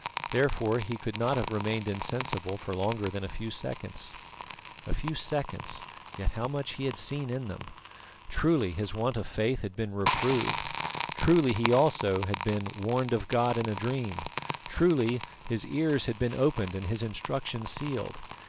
Therefore he could not have remained insensible for longer than a few seconds. A few seconds, yet how much he had seen in them. Truly his want of faith had been reproved truly he also had been "warned of God in a dream," truly "his ears had been opened and his instruction sealed."